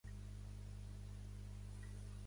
Em dic Eidan Xie: ics, i, e.